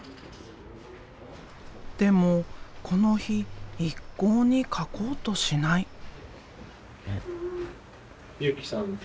でもこの日一向に描こうとしない。